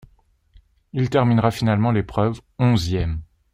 Il terminera finalement l'épreuve onzième.